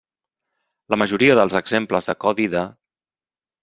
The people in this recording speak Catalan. La majoria dels exemples de codi de.